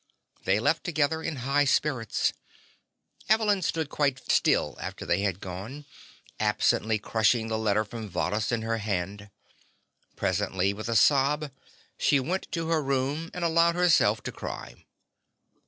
They left together in high spirits. Evelyn stood quite still after they had gone, absently crushing the letter from Varrhus in her hand. Presently, with a sob, she went to her room and allowed herself to cry.